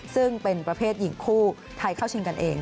ซึ่งเป็นประเภทหญิงคู่ไทยเข้าชิงกันเอง